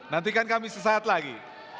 nantikan kami sesaat lagi